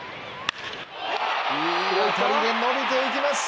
いい当たりで伸びていきます。